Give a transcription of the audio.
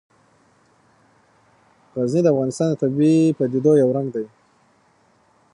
غزني د افغانستان د طبیعي پدیدو یو رنګ دی.